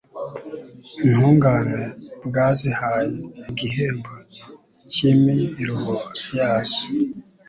intungane bwazihaye igihembo cy'imiruho yazo